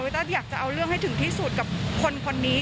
ต้าอยากจะเอาเรื่องให้ถึงที่สุดกับคนนี้